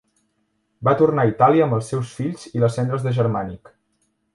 Va tornar a Itàlia amb els seus fills i les cendres de Germànic.